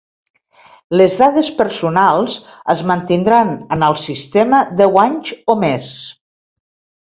Les dades personals es mantindran en el sistema deu anys o més.